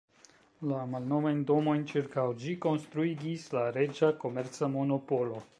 La malnovajn domojn ĉirkaŭ ĝi konstruigis la reĝa komerca monopolo.